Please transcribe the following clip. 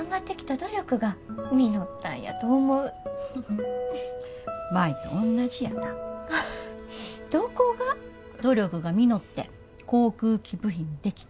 努力が実って航空機部品出来た。